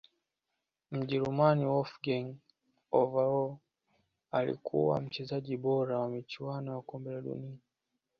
mjerumani wolfgang overalh alikuwa mchezaji bora wa michuano ya kombe la dunia